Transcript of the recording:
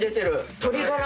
鶏ガラ？